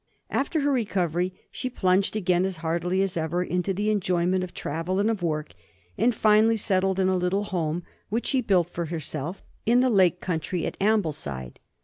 After her recovery she plunged again as heartily as ever into the enjoyment of travel and of work, and finally settled in a little home, which she built for herself, in the Lake country at Ambleside.